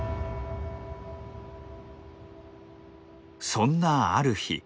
そんなある日。